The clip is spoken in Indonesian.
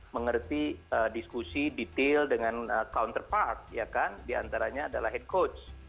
mengerti diskusi detail dengan counterpart ya kan diantaranya adalah head coach